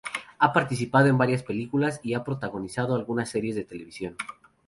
Ha participado en varias películas y ha protagonizado algunas series de televisión.